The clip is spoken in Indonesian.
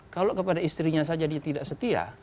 kalau kepada istrinya saja dia tidak setia